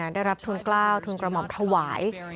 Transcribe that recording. ได้รับทุนกล้าวทุนกระหม่อมถวาย